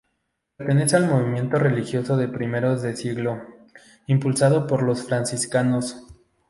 Pertenece al movimiento religioso de primeros de siglo, impulsado por los franciscanos.